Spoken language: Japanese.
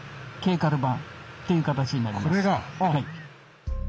はい。